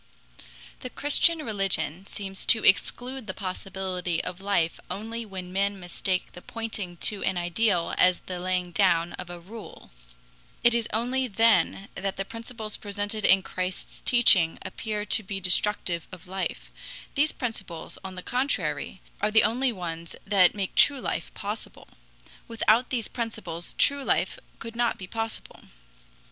The Christian religion seems to exclude the possibility of life only when men mistake the pointing to an ideal as the laying down of a rule. It is only then that the principles presented in Christ's teaching appear to be destructive of life. These principles, on the contrary, are the only ones that make true life possible. Without these principles true life could not be possible.